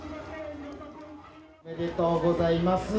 おめでとうございます。